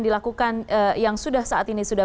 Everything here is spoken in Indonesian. dilakukan yang sudah saat ini sudah